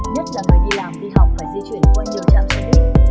nhất là người đi làm đi học phải di chuyển qua nhiều trạm xe buýt